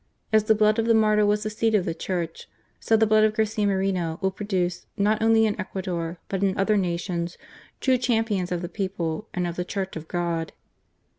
As the blood of the martyr was the seed of the Church, so the blood of Garcia Moreno will produce, not only THE MOURNING. 303 in Ecuador but in other nations, true champions of the people and of the Church of God.